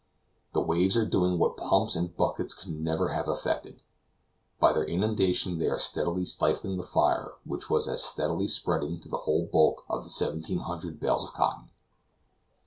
The waves are doing what pumps and buckets could never have effected; by their inundation they are steadily stifling the fire which was as steadily spreading to the whole bulk of the 1,700 bales of cotton.